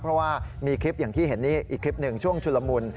เพราะว่ามีคลิปอย่างที่เห็นนี่อีกคลิปหนึ่งช่วงชุลมุน